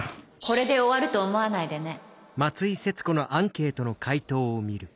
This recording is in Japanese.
これで終わると思わないでね。